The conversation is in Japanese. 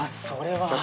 それは。